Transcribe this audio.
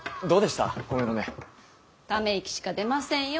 ため息しか出ませんよ。